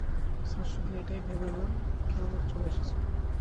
Sir শুধু এটাই ভেবে নেন কেয়ামত চলে এসেছে।